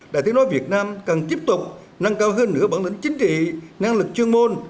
đài tiếng nói việt nam cần tiếp tục nâng cao hơn nửa bản lĩnh chính trị năng lực chuyên môn